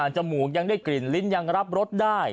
จมูกยังได้กลิ่นลิ้นยังรับรสได้